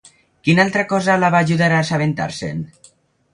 Quina altra cosa la va ajudar a assabentar-se'n?